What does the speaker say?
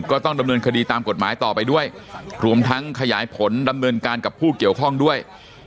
ก็ต้องดำเนินคดีตามกฎหมายต่อไปด้วยรวมทั้งขยายผลดำเนินการกับผู้เกี่ยวข้องด้วย